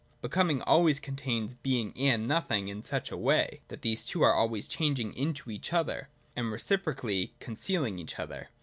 Becoming always contains Being and Nothing in such a way, that these two are always changing into each other, and reciprocally can celling each other.